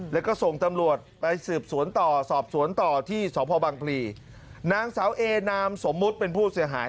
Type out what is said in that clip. แล้วก็ส่งตำรวจไปสืบสวนต่อสอบสวนต่อที่สพบังพลีนางสาวเอนามสมมุติเป็นผู้เสียหาย